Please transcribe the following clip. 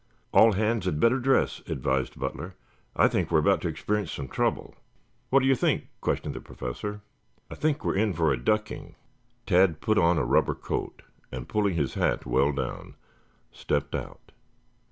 "All hands had better dress," advised Butler. "I think we are about to experience some trouble." "What do you think?" questioned the Professor. "I think we are in for a ducking." Tad put on a rubber coat, and pulling his hat well down, stepped out.